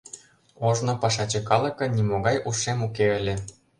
Ожно пашаче калыкын нимогай ушем уке ыле.